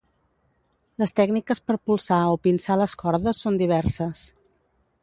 Les tècniques per polsar o pinçar les cordes són diverses.